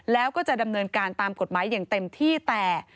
แล้วก็จะดำเนินการตามกฎหมายอย่างเต็มที่แต่